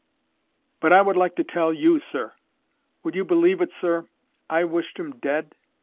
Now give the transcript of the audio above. "But I would like to tell YOU, sir. Would you believe it, sir, I wished 'em dead?